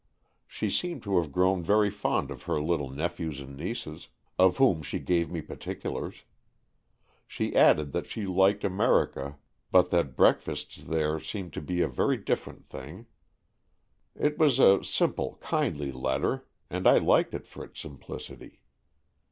She seemed to have grown very fond of her little nephews and nieces, of whom she gave me particulars. She added that she liked America, but that 214 AN EXCHANGE OF SOULS breakfasts there seemed to be a very different thing. It was a simple, kindly letter, and I liked it for its simplicity.